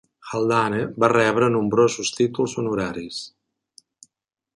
Haldane va rebre nombrosos títols honoraris.